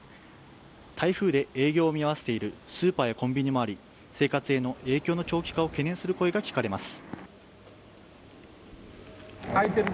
台風で営業を見合わせているスーパーやコンビニもあり、生活への影響の長期化を懸念する声が聞かれます。